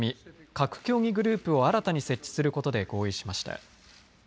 核協議グループを新たに設置することで合意しました。